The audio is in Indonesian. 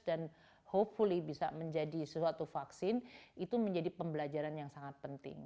dan semoga bisa menjadi suatu vaksin itu menjadi pembelajaran yang sangat penting